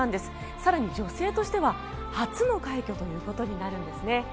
更に、女性としては初の快挙ということになるんですね。